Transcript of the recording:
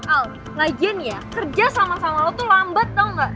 al ngajin ya kerja saman sama lo tuh lambat tau gak